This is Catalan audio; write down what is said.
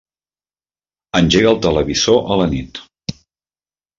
Engega el televisor a la nit.